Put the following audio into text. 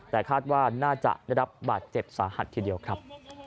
แต่คาดว่าน่าจะได้รับบาตเจ็บสาหัสครับ